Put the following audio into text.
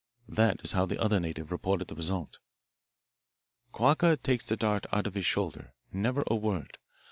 This is how the other native reported the result: "'Quacca takes the dart out of his shoulder. Never a word.